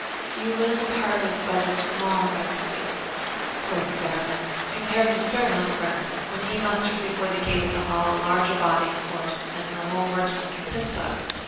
'You will depart with but a small retinue,' quoth the Baronet, 'compared to Sir Hildebrand, when he mustered before the gate of the Hall a larger body of horse than your whole regiment consists of.